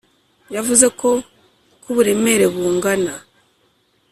yavuze ko ku buremere bungana,